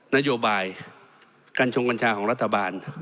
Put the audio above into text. นโยบายกัญชงกัญชาของรัฐบาล